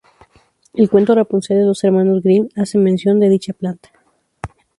El cuento Rapunzel de los Hermanos Grimm, hace mención de dicha planta.